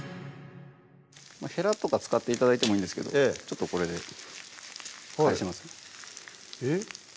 へらとか使って頂いてもいいんですけどちょっとこれで返しますえっ？